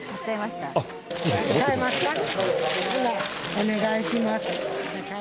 お願いします。